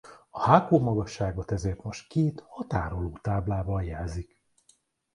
A hágó-magasságot ezért most két határoló táblával jelzik.